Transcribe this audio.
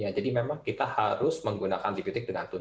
ya jadi memang kita harus menggunakan antibiotik dengan hati